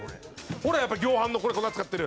「ほらやっぱ量販の粉使ってる。